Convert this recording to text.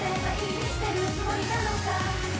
見捨てるつもりなのか？